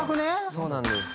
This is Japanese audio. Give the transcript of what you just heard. そうなんです。